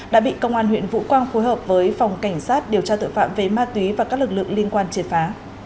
đã bị công an huyện vũ quang phối hợp với phòng cảnh sát điều tra tội phạm về ma túy và các lực lượng liên quan triệt phá